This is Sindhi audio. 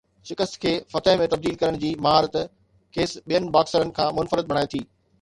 شڪست کي فتح ۾ تبديل ڪرڻ جي مهارت کيس ٻين باڪسرز کان منفرد بڻائي ٿي.